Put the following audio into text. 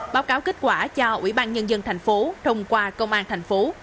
báo cáo kết quả cho ủy ban nhân dân thành phố thông qua công an thành phố